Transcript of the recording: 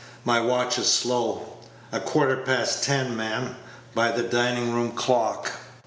My watch is slow." "A quarter past ten, ma'am, by the dining room clock."